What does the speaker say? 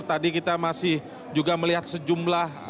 tadi kita masih juga melihat sejumlah